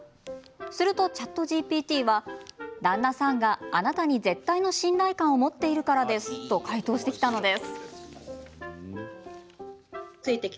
すると、ＣｈａｔＧＰＴは「旦那さんがあなたに絶対の信頼感を持っているからです」と回答してきたのです。